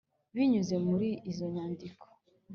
Binyuze muri izo nyandiko,